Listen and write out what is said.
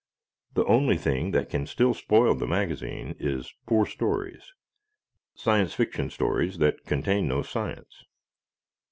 The only thing that can still spoil the magazine is poor stories. Science Fiction stories that contain no science.